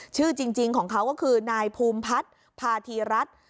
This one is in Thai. ชื่อจริงของเขาก็คือนายภูมิพัฒน์พาธีรัฐ